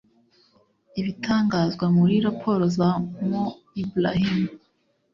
Ibitangazwa muri raporo za Mo Ibrahim